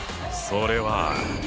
それは。